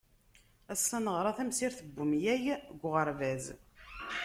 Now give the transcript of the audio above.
Ass-a neɣra tamsirt n umyag deg uɣerbaz.